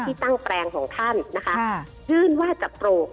ที่ตั้งแปลงของท่านนะคะยื่นว่าจะปลูก